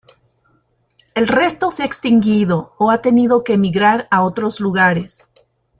El resto se ha extinguido o ha tenido que emigrar a otros lugares.